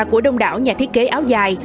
của đông đảo nhà thiết kế áo dài